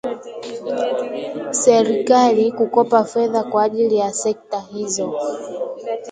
serikali kukopa fedha kwa ajili ya sekta hizo